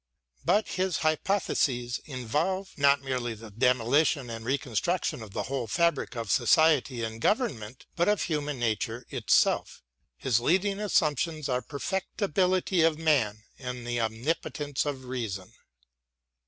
But his hypotheses involve, not merely the demolition and reconstruction of the whole fabric of society and government, but of human nature itself. His leading assumptions are the perfectibility of man and the omnipotence of reason.